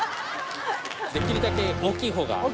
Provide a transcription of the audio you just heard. できるだけ大きいほうが。